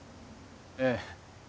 ええ。